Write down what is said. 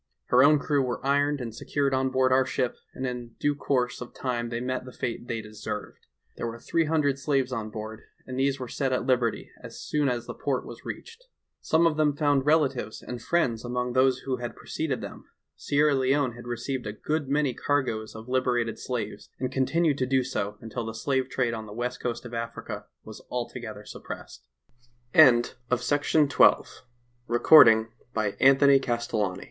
Her own crew were ironed and secured on board our ship, and in due course of time they met the fate they deserved. There were three hundred slaves on board, and these were set at liberty as soon as the port was reached. Some of them found relatives and friends among those who had preceded them; Sierra Leone had received a good many cargoes of liber ated slaves and continued to do so until the slave trade on the west coast of Africa was altogether supp